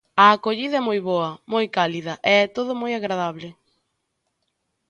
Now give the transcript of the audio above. A acollida é moi boa, moi cálida e é todo moi agradable.